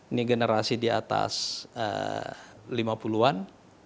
ini generasi di atas lima puluh an